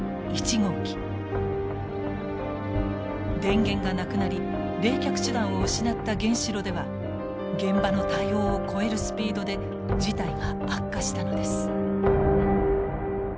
電源がなくなり冷却手段を失った原子炉では現場の対応を超えるスピードで事態が悪化したのです。